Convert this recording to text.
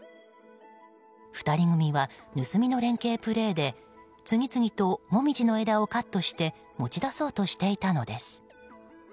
２人組は盗みの連係プレーで次々とモミジの枝をカットして持ち出そうとしていたのです。